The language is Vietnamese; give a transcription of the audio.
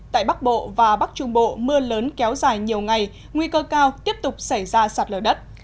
tại bắc bộ và bắc trung bộ mưa lớn kéo dài nhiều ngày nguy cơ cao tiếp tục xảy ra sạt lở đất